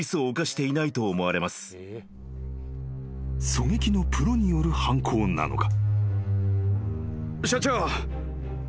［狙撃のプロによる犯行なのか？］